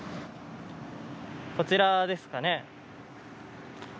こちらですかね。